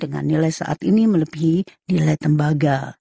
dengan nilai saat ini melebihi nilai tembaga